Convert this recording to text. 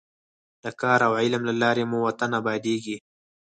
د کار او علم له لارې مو وطن ابادېږي.